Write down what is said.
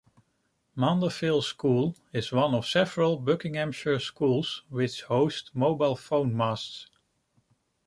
Mandeville School is one of several Buckinghamshire schools which host mobile phone masts.